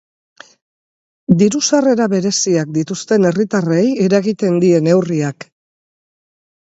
Diru-sarrera bereziak dituzten herritarrei eragiten die neurriak.